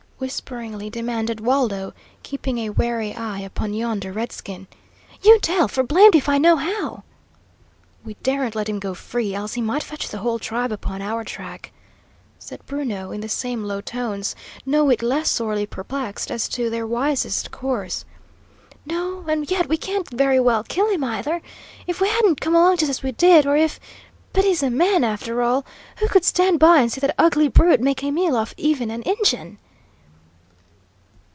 whisperingly demanded Waldo, keeping a wary eye upon yonder redskin. "You tell, for blamed if I know how!" "We daren't let him go free, else he might fetch the whole tribe upon our track," said Bruno, in the same low tones, no whit less sorely perplexed as to their wisest course. "No, and yet we can't very well kill him, either! If we hadn't come along just as we did, or if but he's a man, after all! Who could stand by and see that ugly brute make a meal off even an Injun?"